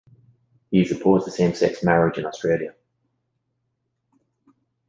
He is opposed to same-sex marriage in Australia.